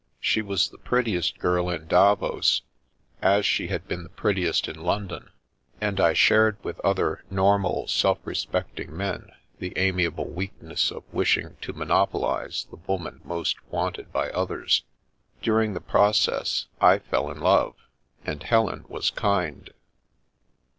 She was the prettiest girl in Davos, as she had been the prettiest in Lon don ; and I shared with other normal, self respecting men the amiable weakness of wishing to monopolise the woman most wanted by others. During the process I fell in love, and Helen was kind.